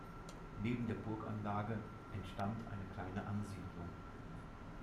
Neben der Burganlage entstand eine kleine Ansiedlung.